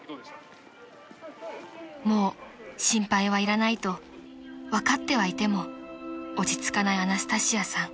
［もう心配はいらないと分かってはいても落ち着かないアナスタシアさん］